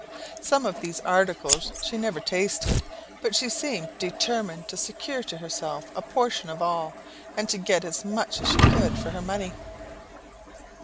Some of these articles she never tasted; but she seemed determined to secure to herself a portion of all, and to get as much as she could for her money.